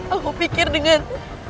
aku pikir dengan